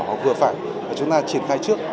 hoặc vừa phải chúng ta triển khai trước